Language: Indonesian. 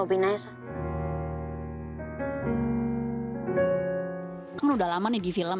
kan udah lama nih di film